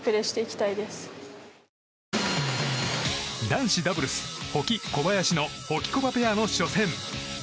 男子ダブルス保木、小林のホギコバペアの初戦。